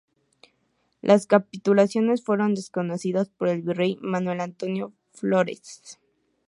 Las capitulaciones fueron desconocidas por el virrey Manuel Antonio Flórez.